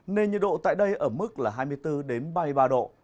nên nhiệt độ tại đây ở mức là hai mươi bốn ba mươi ba độ